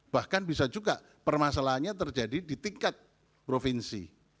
bahkan bisa juga permasalahannya terjadi di tingkat provinsi